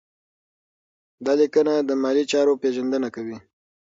دا لیکنه د مالي چارو پیژندنه کوي.